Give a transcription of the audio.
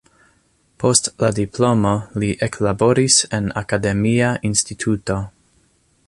Post la diplomo li eklaboris en akademia instituto.